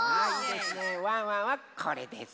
ワンワンはこれです。